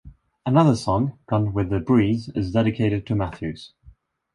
Another song, "Gone With the Breeze," is dedicated to Mathews.